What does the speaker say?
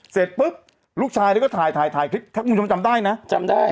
เสร็จปุ๊บลูกชายเนี่ยก็ถ่ายถ่ายคลิปถ้าคุณผู้ชมจำได้นะจำได้